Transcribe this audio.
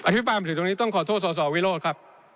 พิปรายมาถึงตรงนี้ต้องขอโทษสสวิโรธครับ